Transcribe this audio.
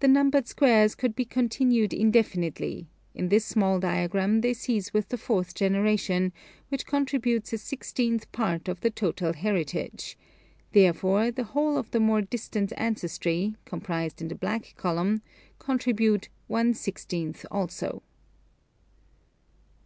The numbered squares could be continued indefinitely : in this small diagram they cease with the fourth generation, which contributes a i6th part of the total heritage, therefore the whole of the more distant ancestry, comprised in the blank column, contribute i/i6th also.